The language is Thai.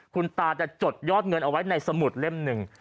คุณตาจะจดยอดเงินเอาไว้ในสมุดเล่มหนึ่ง